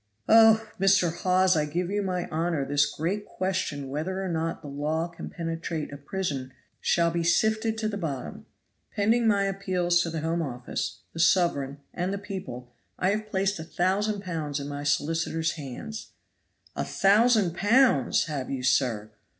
Oh! Mr. Hawes, I give you my honor this great question whether or not the law can penetrate a prison shall be sifted to the bottom. Pending my appeals to the Home Office, the sovereign and the people, I have placed a thousand pounds in my solicitor's hands " "A thousand pounds! have you, sir?